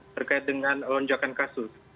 terkait dengan lonjakan kasus